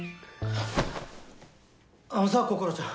あのさ心ちゃん！